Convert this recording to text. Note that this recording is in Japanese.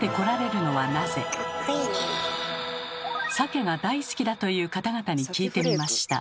サケが大好きだという方々に聞いてみました。